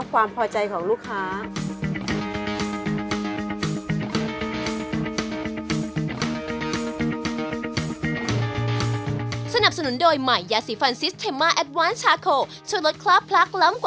ความพอใจของลูกค้า